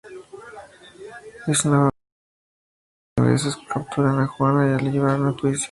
En una batalla, los ingleses capturan a Juana y la llevan a juicio.